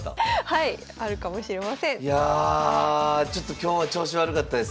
いやちょっと今日は調子悪かったです。